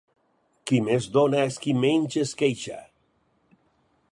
Qui més dona és qui menys es queixa.